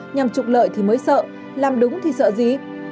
nhằm trục lợi thì mới sợ làm đúng thì sợ gì